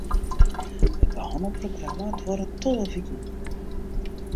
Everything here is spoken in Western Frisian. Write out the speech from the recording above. It behannelprogramma duorret tolve wiken.